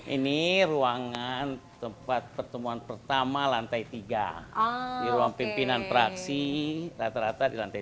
ini ruangan tempat pertemuan pertama lantai tiga di ruang pimpinan praksi rata rata di lantai tiga